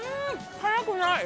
辛くない。